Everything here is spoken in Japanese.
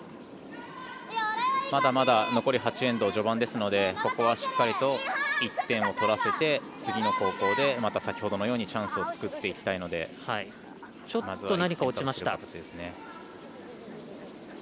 まだまだ、残り８エンド序盤ですので、ここはしっかりと１点を取らせて、次の後攻でまた先ほどのようにチャンスを作っていきたいです。